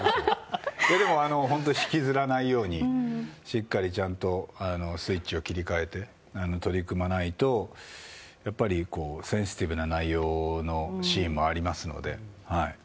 でも、引きずらないようにしっかりちゃんとスイッチを切り替えて取り組まないとやっぱりセンシティブな内容のシーンもありますので。